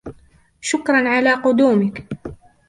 شكرًا على قدومك.